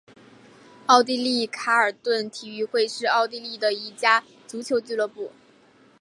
奥地利卡尔顿体育会是奥地利的一家足球俱乐部。